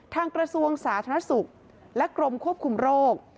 กระทรวงสาธารณสุขและกรมควบคุมโรค